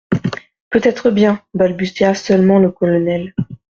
«Peut-être bien …,» balbutia seulement le colonel.